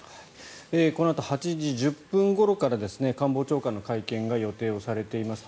このあと８時１０分ごろから官房長官の会見が予定されています。